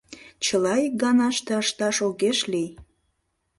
Чыла икганаште ышташ огеш лий.